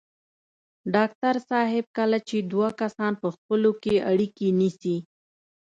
ډاکټر صاحب کله چې دوه کسان په خپلو کې اړيکې نیسي.